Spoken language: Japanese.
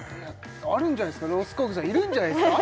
あるんじゃないですかロースコグさんいるんじゃないですか？